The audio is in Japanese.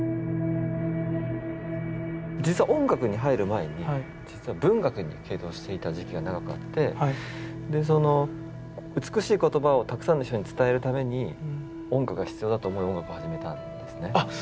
実は音楽に入る前に実は文学に傾倒していた時期が長くあってその美しい言葉をたくさんの人に伝えるために音楽が必要だと思い音楽を始めたんですね。